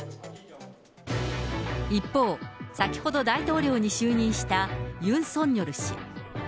一方、先ほど大統領に就任したユン・ソンニョル氏。